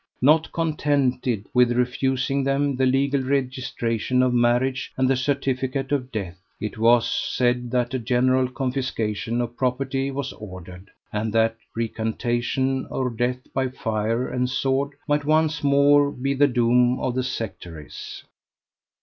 Not contented with refusing them the legal registration of marriage and the certificate of death, it was said that a general confiscation of property was ordered, and that recantation or death by fire and sword might once more be the doom of the sectaries.